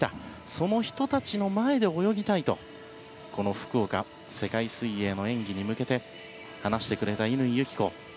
その人たちの前で泳ぎたいとこの福岡での世界水泳の演技に向けて話してくれた乾友紀子。